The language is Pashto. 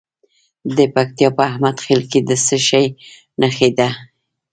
د پکتیا په احمد خیل کې د څه شي نښې دي؟